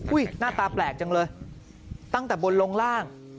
หน้าตาแปลกจังเลยตั้งแต่บนลงล่าง